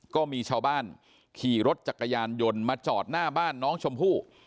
ก็มีชาวบ้านขี่รถจักรยานยนต์มาจอดหน้าบ้านน้องชมพู่